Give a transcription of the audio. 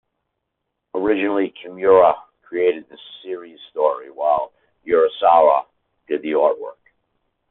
Originally, Kimura created the series' story, while Urasawa did the artwork.